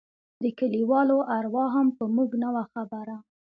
د كليوالو اروا هم په موږ نه وه خبره.